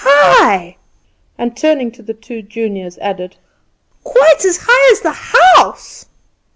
High!" and turning to his two juniors, added "quite as high as the house!